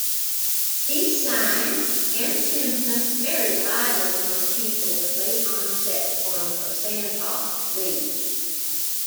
These signs and symptoms vary widely among people with late-onset forms of Sandhoff disease.